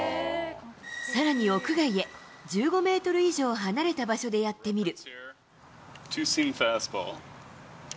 さらに屋外へ、１５メートル以上離れた場所でやってみる。